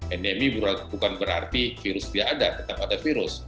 endemi bukan berarti virus tidak ada tetap ada virus